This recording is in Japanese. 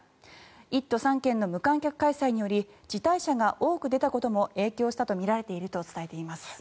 １都３県の無観客開催により辞退者が多く出たことも影響したとみられていると伝えています。